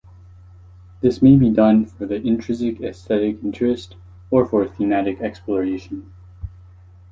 This may be done for the intrinsic aesthetic interest, or for a thematic exploration.